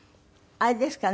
あれですかね？